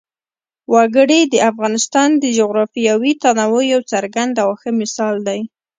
وګړي د افغانستان د جغرافیوي تنوع یو څرګند او ښه مثال دی.